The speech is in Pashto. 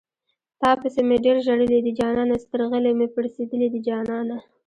تاپسې مې ډېر ژړلي دي جانانه سترغلي مې پړسېدلي دي جانانه